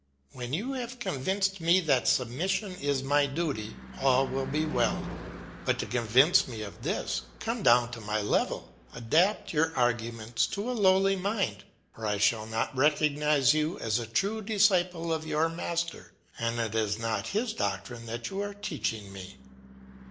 When you have convinced me that submission is my duty, all will be well; but to convince me of this, come down to my level; adapt your arguments to a lowly mind, or I shall not recognise you as a true disciple of your master, and it is not his doctrine that you are teaching me.